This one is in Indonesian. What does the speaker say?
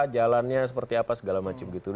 jalannya seperti apa segala macam gitu